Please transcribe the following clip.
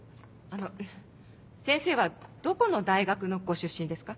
あの先生はどこの大学のご出身ですか？